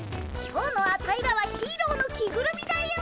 今日のアタイらはヒーローの着ぐるみだよ！